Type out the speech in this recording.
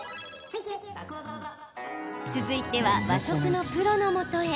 続いては和食のプロのもとへ。